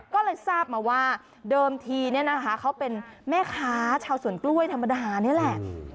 ก็เลยทราบมาว่าเดิมทีเนี่ยนะคะเขาเป็นแม่ค้าชาวสวนกล้วยธรรมดานี่แหละ